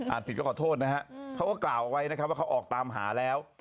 อ่านผิดก็ขอโทษนะฮะเขาก็กล่าวเอาไว้นะว่าเขาออกตามหาแล้ว